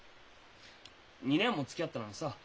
２年もつきあったのにさ